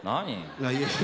いやいや。